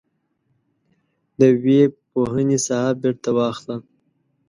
د ويي پوهنې ساحه بیرته واخله.